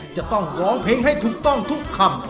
จะต้องร้องเพลงให้ถูกต้องทุกคำ